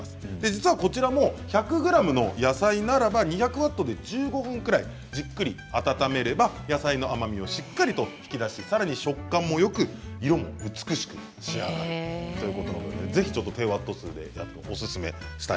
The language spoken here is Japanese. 実はこちらも１００ｇの野菜ならば２００ワットで１５分くらいじっくり温めれば野菜の甘みをしっかりと引き出しさらに食感もよく色も美しく仕上がるということなのでぜひちょっと低ワット数でやるのおすすめしたいということです。